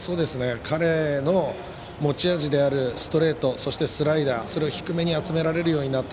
彼の持ち味であるストレートそしてスライダーを低めに集められるようになった。